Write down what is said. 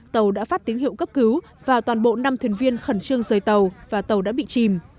tàu đã phát tín hiệu cấp cứu và toàn bộ năm thuyền viên khẩn trương rời tàu và tàu đã bị chìm